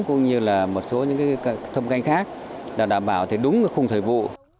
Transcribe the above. cũng như là một số những thông canh khác để đảm bảo đúng khung thời vụ